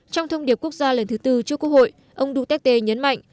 trong thông điệp quốc gia lần thứ tư trước quốc hội ông duterte nhấn mạnh